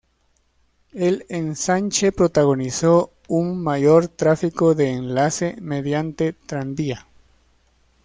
El ensanche protagonizó un mayor tráfico de enlace mediante tranvía.